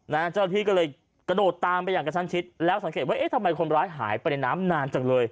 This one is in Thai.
เจ้าหน้าที่ก็เลยกระโดดตามไปอย่างกระชั้นชิดแล้วสังเกตว่าเอ๊ะทำไมคนร้ายหายไปในน้ำนานจังเลย